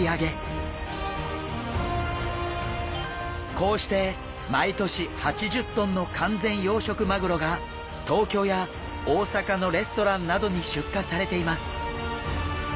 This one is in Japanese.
こうして毎年８０ｔの完全養殖マグロが東京や大阪のレストランなどに出荷されています。